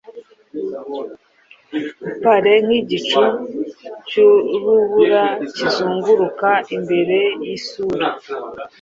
Pale nkigicu cyurubura Kizunguruka imbere yisura